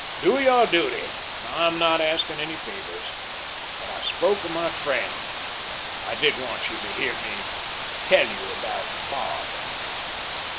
Do your duty. I'm not asking any favours. But, I spoke of my friend. I did want you to hear me tell you about Bob."